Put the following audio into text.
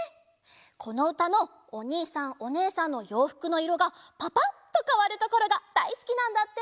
このうたのおにいさんおねえさんのようふくのいろがパパッとかわるところがだいすきなんだって。